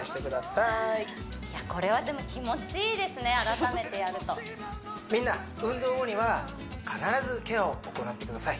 いやこれはでも改めてやるとみんな運動後には必ずケアを行ってください